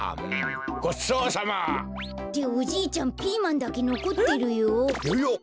ごちそうさま。っておじいちゃんピーマンだけのこってるよ。ややっ？